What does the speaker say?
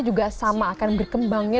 juga sama akan berkembangnya